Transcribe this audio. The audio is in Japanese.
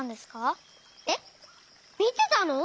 えっみてたの？